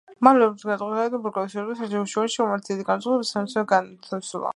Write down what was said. მალევე რენემ ტყვედ ჩაიგდო ბურგუნდიის ჰერცოგი ჟან უშიში, რომელიც დიდი გამოსასყიდის სანაცვლოდ გაანთავისუფლა.